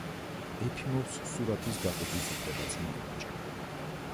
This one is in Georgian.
ეფიმოვს სურათის გაყიდვის უფლებაც მიენიჭა.